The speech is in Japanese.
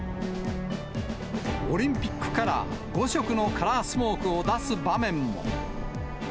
オリンピックカラー５色のカラースモークを出す場面も。